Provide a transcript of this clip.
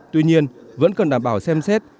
tuy nhiên vẫn cần đảm bảo xem xét